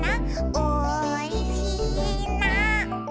「おいしいな」